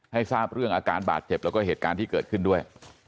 ทราบเรื่องอาการบาดเจ็บแล้วก็เหตุการณ์ที่เกิดขึ้นด้วย